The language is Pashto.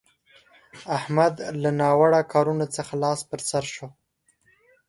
احمد له ناوړه کارونه څخه لاس پر سو شو.